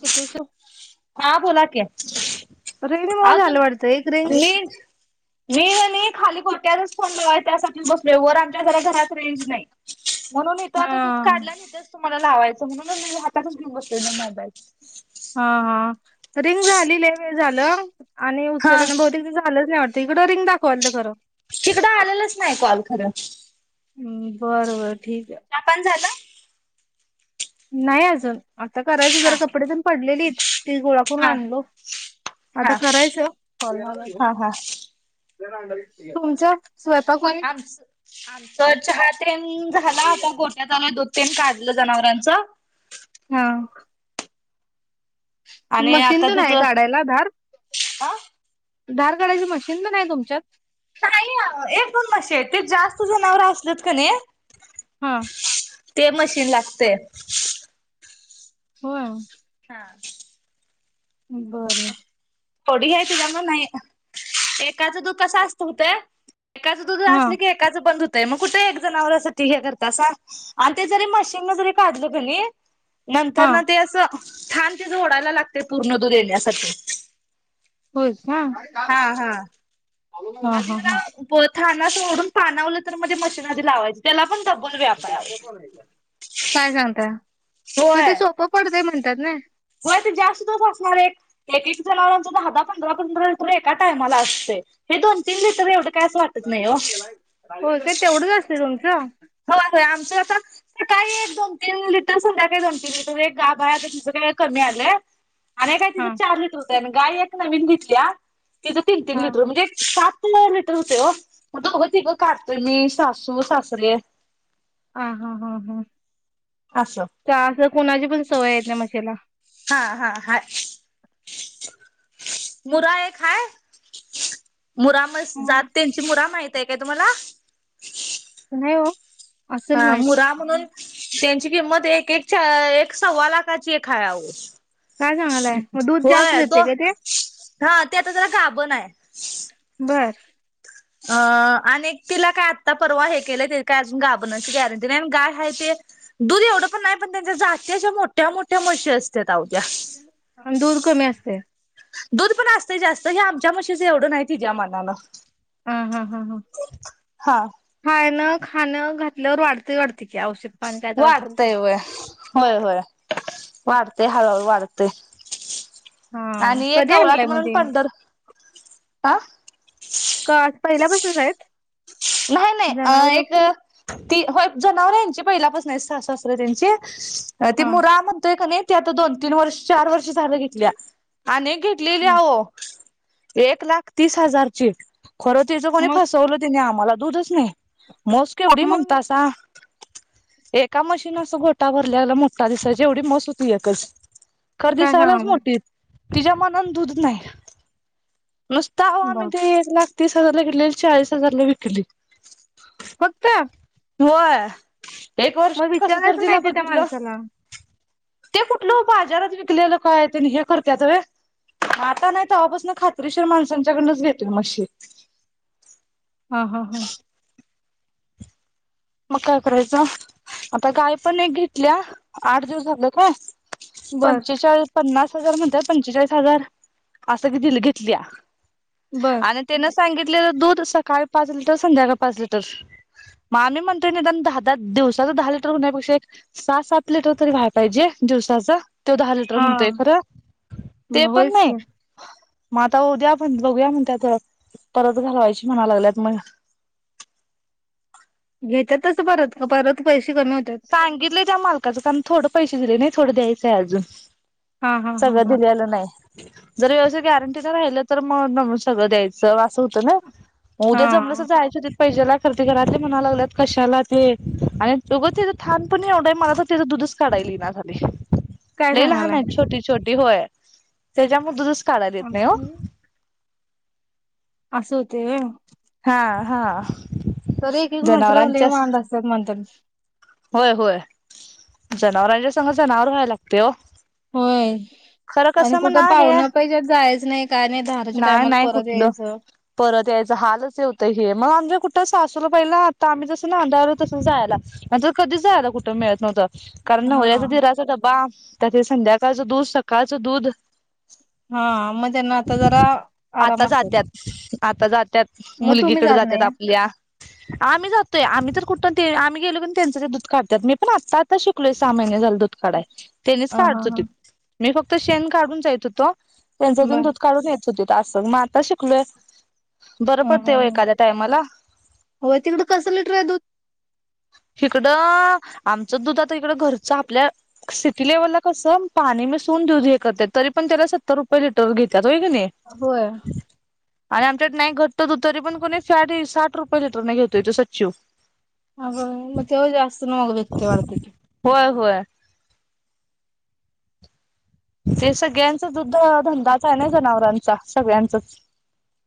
किती उशीर हा बोला क रिंगमुळे आ तुम झालं वाटतं एक रिंग मी मी खाली खोट्याच फोन बवाय त्यासाठी बसलो वर आमच्या जरा घरात रेंज नाही [unintelligible] म्हणून हित हा आम्ही दूध काढल आणि हितच तुम्हाला लावायच म्हणून मी हातच घेऊन बसले मी मोबाईल हा हा. रिंग झाली लय वेळ झालं आणि हा उचल बहुतेक ते झालंच नाही वाट तिकडं रिंग दाखवते खरं तिकडं आलेलंच नाही कॉल खरं हम्म बर बर. जापान झालं. [inaudible] नाही अजून आता करायचं हा जरा कपडे धुवून पडलेली [inaudible] ती गोळा करून हा आणलो आता हा करायचं हा हा तुमचं स्वयंपाक पाणी आमच आमच ह ते झाला आता घोट्यात आलो दु ते का ढलं जनावरांच हा मशीन आता तर नाही दूध आहे अ काढायला धार धार कार्डाची मशीन पण आहे तुमच्यात नाही एक दोन मसे ते जास्त जनावर असलेत क नी हा ते मशी लागते हो. हा. बरं. [unintelligible] एकाचं दुध हा असले की एकाचं पण दु मग कुठे एक जनावरासाठी हे करत अस आणि ते जरी मशीन न जरी काढलं त नी नंतर हा ना ते असं छान ते झोडायला लागते पूर्ण दूध येण्यासाठी होय. का हा हा. हा हा हा [unintelligible] थान सोडून पानावलं तर मध्ये मशीनमध्येध लावायचं त्याला पण डब्बल व्याप आहे अहो काय सांगताय मग ते होय सोपं पडत म्हणतात [unintelligible] होय ते जास्त दिवस असणार आहेत. एकेक जनावरांच दहा-दहा, पंधरा-पंधरा एका टायमाला असते. ते दोन, तीन लिटर एवढं काय असं [inaudible] वाटत नाही हो का? तेवढंच असते तुम त. होय होय आमचं आता सकाळी एक, दोन, तीन लिटर संध्या दोन, तीन लिटर एक गाभा हाय आता तिज काय कमी आलंय. अनेक हाय तिज हा चार लीटर हु त्यानं गाय एक नविन घेतलीया. तिचं तीन-तीन हा लिटर म्हणजे एक सात [unintelligible] हुतंय ओ. दोघ-तिघ काढतोय मी सासू-सासरे हा हा हा हा. असं ते अस कुणाची पण सवय आहे त्या मशीला. हा हा हाय [inaudible] मुरा एक हाय मुरामस जात त्यांची मुरा माईत. ते काय तुम्हाला [inaudible] नाही ओ हा मुरा म्हणून त्यांची किंमत एक-एकच्या, एक सव्वा लाखाची एक हाय आवो काय सांगलाय? मग दूध जास्त देते का ते. हा ते आता जरा गाबण हाय. होय. अ आणि तिला काय आत्ता परवा हे केलंय ते काय अजून गाबणाची गॅरंटी नाही आणि गाय हाय ते दूध एवढं पण नाही पण त्यांच्या जाती अशा मोठ्या-मोठ्या मशी असतात आओ त्या. आणि दूध कमी असतय. दूध पण असतय जास्त हे आमच्या मशीच एवढं नाही तिच्या मानानं. हा हा हा ह हा हाय ना. खाणं घातल्यावर वाढते वाढ वाढतय होय, होय, होय वाढतय हळू-हळू वाढ ते [inaudible] हा आणि एक कधी गवराट आणलाय मग म्हणून ते पंढर आ. का आज पहिल्यापासूनच आहेत. नाही, नाही अ जनावर एक. ती होय जनावर यांची पहिलापासून आहेत सासु सासरे त्यांचे. अ ते हा मुरा म्हणतोय कने ते आता दोन, तीन वर्ष चार वर्ष झाल घेतल्या आणि एक घेतलेली आहो. एक लाख तीस हजारची. खरं तीचं कणी मग फसवलीत. आम्हाला दूधच नाही म्हस केवढी मग म्हणतासा एका मशीन अस गोटा भरल्याला मोठा दिसायचा एवढी मस होती एकच खर काय दीसायलाच सांगालाय मोठी तिच्या मनान दूध नाही नुस्ता आहो आम्ही बर ते एक लाख तीस हजारला घेतलेली चाळीस हजारला विकली फक्त व्हय एक वर्ष मग कस तर विचारायचं दिला नाही का त्या बघितलं माणसाला? ते कुठलं बाजारात विकलेलं काय ते हे करत्यात व्हय मग आता नाही तव्हापासून खात्रीशीर माणसांच्याकडनच घेतोय मशी हा हा हा मग काय करायचं आता गाय पण एक घेतल्या आठ दिवस झाले काय बर, पंचेचाळीस पन्नास म्हणतीया पंचेचाळीस हजार असं किती घेतलीया बर. आणि त्यान सांगितलेलं दूध सकाळी पाच लिटर संध्याकाळी पाच लिटर म म्हणतोय दहा दिवसाच दहा लिटर होनण्यापेक्षा एक सात सात लिटर तरी व्हायला पाहिजे दिवसाच तो दहा लिटर म्हणतोय हां. खरं ते मग पण होयच नाही की. मग आता उद्या बघूया म्हणत्यात परत घालवायची म्हणाय लागल्यात मग घेता तस परत परत पैसे कमी होतात? सांगितलं त्या मालकाचं कारण थोडं पैसे नाही थोडं द्यायचंय अजून हां, हां, हां, सगळं हां. दिलेलं नाही जर व्यवसायित गॅरंटी न राहिलं तर मग सगळं द्यायचं अस होत ना मग उद्या जमलंस हां, जायच हो पहिजेती घरात म्हणाला लागल्यात कशाला ते आणि उगाच थान पण एवढा आहे मला तर त्याचं दुधच काढायला येईना झालंय काय लय लहान सांगायलाय? आहेत छोटी छोटी छोटी होय त्याच्या त्याच्या मूळ दूधच काढायला येत नाही असं होतंय होय हा हा तर एक एक मचरावले जनावरांच्या वांड असतात म्हणंतात होय होय जनावरांच्या सग जनावर व्हायला लागते हो होय आणि कुठं हे पाहुणं पाहिजे जायचं नाही काय नाही धारच्या नाही टायमाला नाही परत यायचं होत हे मग आमे कुठं सासूला पहिलं आता आम्ही जसं नांदायलो तसं जायला नंतर कधीच जायला कुठे मिळत नव्हतं कारण नवऱ्याचा हां. दिराचा डब्बा त्यात संध्याकाळचं दूध सकाळचं दूध हा मग त्यांना आता जरा आता आराम असल जात्यात आता जात्यात मुलगीकडे जातात आपल्या आम्ही जातोय आम्ही तर कुठं ते आम्ही गेलोण त्यांचं ते दूध काढतात मी पण आत्ता आता शिकलोय सहा महिने झालं दूध काढाय त्यांनीच हां, हां, काढत होतेत हां. मी फक्त शेण काढून जाईत होतो त्यांच्यातून बरं. दूध काढून येते असं म आता शिकलोय बरं ह पडते एखाद्या टायमाला हो तिकडं कस लिटर आहे दूध इकडं आमचं दूध आता इकडं घरचं आपल्या सिटी लेवलला कसं पाणी मिसळून दूध हे करत तरी पण त्याला सत्तर रुपये लिटर घेत्यात व्हय की नाय होय. आणि आमच्यात् नाय ग तो तरी पण की नाय सा साठ रुपये लिटर नाही घेतोय तो सच्चू अगं मग त्या जास्त महाग विकतो तो होय होय ते सगळ्यांच दुग्ध धंदाच आहे ना जनावरांचा सगळ्यांचच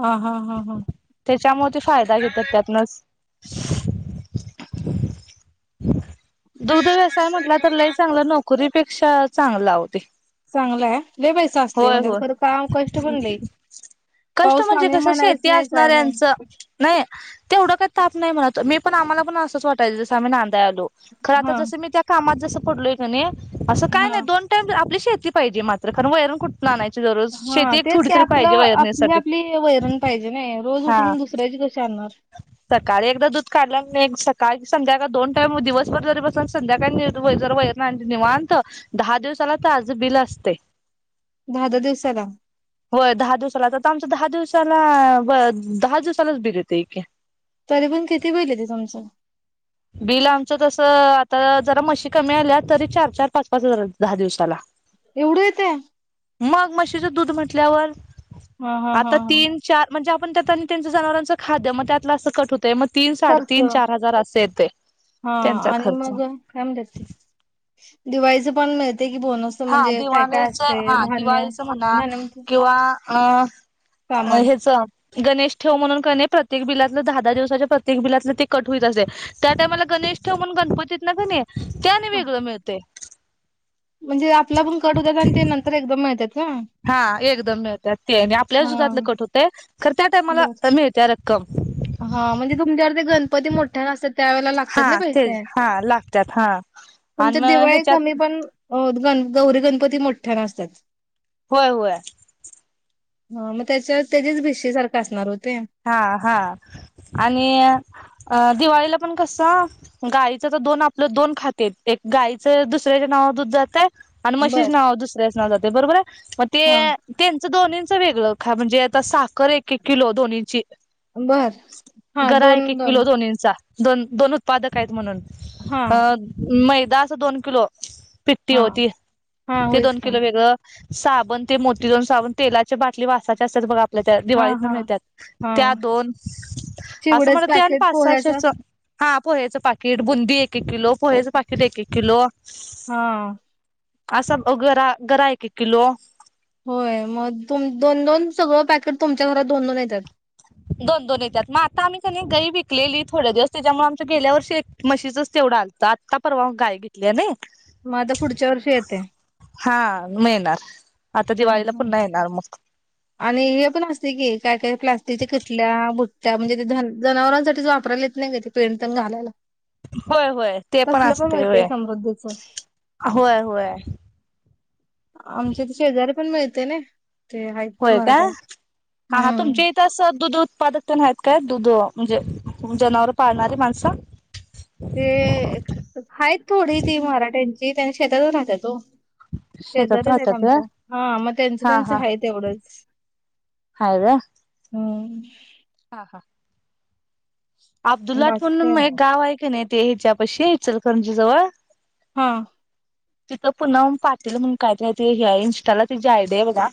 हा हा हा हा त्याच्यामुळं ते फायदा घेतात त्यातनच [inaudible] दुग्ध व्यवसाय म्हटलं तर लय चांगलं नोकरी पेक्षा चांगलं अहो ते चांगला आहे लय पैसा असते होय म्हणजे होय खरं काम कष्ट पण लय कष्टं पाऊस म्हणजे पाणी कसं म्हणायच शेती नाही काय नाही असणाऱ्यांचं नाही तेवढं काही ताप नाही मला मी पण आम्हाला पण असंच वाटयचं जसं आम्ही खरं आता हा जसं‌‌ मी त्या कामात पडलोय कणी असं काय नाही हा दोन टाईम आपली शेत पाहिजे मात्र खरं वैरण कुठ आणायची दररोज हा शेती एक तेच थोडी की तरी आपलं पाहिजे आपली वैरणीसाठी, आपली वैरण पाहिजे नाही रोज हा उठून दुसऱ्याची कशी आणणार सकाळी एकदा दूध काढला क नाय काय की संध्याकाळ दोन टाइम दिवसभर जरी बसून संध्याकाळी जर वैरण आणली निवांत दहा दिवसाला ताज बिला स्तय् दहा दहा दिवसाला होय दहा दिवसाला तसं‌ आमचं दहा दिवस तरं अं दहा दिवसालाच बिल येतंय की तरी पण किती बिल येतंय तुमचं बिल आमचं तसं आता जरा मशी कमी आल्या तरी चार चार पाच पाच हजार दहा दिवसाला तेवढं येतंय मग म्हशीचं दूध म्हटल्यावर हा हा हा आता हा तीन चार म्हणजे आपण त्यात त्यांचं जनावरांचं खाद्य मग त्यातलं असं कट होत ते मग तीन खर्च साडेतीन चार हजार असं येतंय हा त्यांचा आणि खर्च मग काय म्हणतात ते दिवाळीचं पण मिळतं हा दिवाळीचं हा धान्य दिवाळीचं म्हणा धान्य म्हणजे किंवा अ सामान ह्याचं गणेश ठेव म्हणून काय नाही प्रत्येक बिलातलं दहा दहा दिवसाच्या प्रत्येक बिलातलं ते कट होईत असतंय त्या टायमाला गणेश ठेव म्हणून गणपतीत ना काय नाही ते आणि हा वेगळं मिळतंय म्हणजे आपलं आपुण कट होत्यात आणि ते नंतर एकदम मिळतात का हा एकदम मिळत्यात आणि आपल्याच हा दुधातलं कट होतंय खरं त्या टायमाला बर मिळत्या रक्कम त्या व लात हा ना पै तेच हा लागतात हा आणि तमच्या मग दिवाळी ह्याच्यात कमी पण ग गौरी गणपती मोठ्या न असतात होय होय ह मग त्याच्या त्याच्याच भेष सारखं असणार हो हा हा आणि दिवाळीला पण कस गायच तर दोन आपलं दोन खाते एक गायचं दुसऱ्याच्या नावा दूध जातय आणिन मशीज बर नाव दुसर्याच नाव जात ते बरोबर मग ते हा त्यांच दोन वेगळा म्हणजे आता साखर एक एक किलोन बर हा गरा दोन एक एक दोन किलो दोनंचा दोन दोन उत्पादक आहेत म्हणून हा अ म दास दोन किलो पि्टी हा होती हा ते होयच दोन काय किलो वेगळं साबण ते मोती दोन साबण तेला बाटली वासाचे असतात बघ आपल्या त्या हा दिवाळीत न हा मिळतात हा त्या दोन असं चिवड्याच पॅकेट पोह्याचं म्हणत हा पोहेचं पाकीिट बुंदी एक एक किलो पोहेचं पाकीिट एक एक किलो हा असं गरा गरा एक एक किलो होय मग तुम दोन दोन सगळं पॅकेट तुमच्या घरात दोन दोन येतात दोन दोन येतात मग आता आम्ही का गई विकलेली थोडे्या दिवस त्याच्यामुळे आमच्या गेल्या वर्षी एक मशीच तेवढं आलतं आत्ता परवा गाय घेतली आहे ना मग आता पुढच्या वर्षी येते हा मिळणार ह ह आणि हे पण असते की काय काय प्लास् तिथ खिटल्या बुट्ट्या म्हणजे ते जनावरांसाठीच वापरायला येत नाही का ते पें पण घालायला होय होय ते पण तसलं असते होय मिळतंय समृद्धीच होय होय आमच्या पण मिळते ना ते आहेत होय का मराठ्यांच हाा हम्म तुमच्या इथं दुध उत्पादकते नाही आहेत काय दुध म्हणजे जनावर पाळणारी माणसं ते हायच थोडी ती मारा टश ते त्यां शेतातच राहत तो शेतात शेजारीच आहेत राहतात व्हय आमच्या हा म त्यांच हा त्यांचं हा हाय तेवढंच हाय व्हय हम् [inaudible] हा हा अब्दुललाट बाकी काय म्हणून एक नाय गाव हाय क नाय ते ह्याच्या पशी इचलकरंजी जवळ हा तिथं पुन्हा पाटील म्हणू काय बाय ते हे ह्या इंस्टाला त्याची आयडीय बघा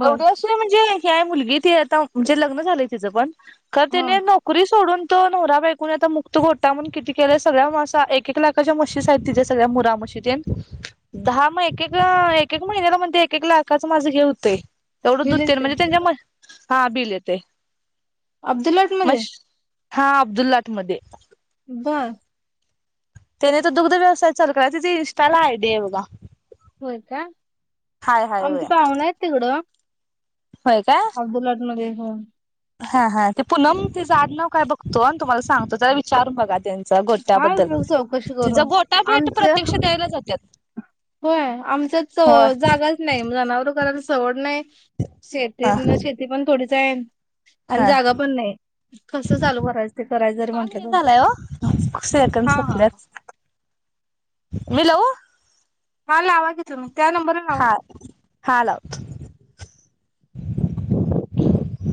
बर एवढे अस म्हणजे एक हाय मुलगी ती आता म्हणजे लग्न झालंय तिचं पण का हा तीने नोकरी सोडून तो नवरा बायकूनी आता मुक्त घोटा म्हणू किती केलंय सगळ्या मासा एक एक लाखाच्या मशीच आहेत तिथं सगळ्या मुरा मशीत धा मग एक एक अं एक एक महिन्याला म्हणती एक एक लाखाच माझं हे होतं एवढं दु तीन हिलेच आहे महिने त्यांच्या म्हशी हा बिल येतय अब्दुललाट मध्ये हा अब्दुल्लाट मध्ये बर त्याने तर दुग्ध व्यवसाय चालू केलाय तिची इंस्टाला आयडिय बघा होय का हाय हाय होय. आमची पाहुनं हायत तिकडं होय काय अब्दुलाट मध्ये हो हा हा ते पूनम तीज आड नाव काय बघतो आणि तुम्हाला सांगतो तरला विचारून बघा त्यां काय गोट्याबद्दल उपयोग चौकशी करून तिचा गोटा भेट आमचं प्रत्यक्ष द्यायला जातात होय आमच्या ज अं जागाच नाही जनावर करायला सवड नाय हा शेतीतन शेती पण थोडी त्येन आणि हा जागा पण नाही कस चालू करायचं ते करायच जरी कॉल हे म्हंटलं तर झालाय ओ सेकंद हा संपल्यात मी लाव हा लावा की तुम्ही त्या नंबरला लावा हा हा लाव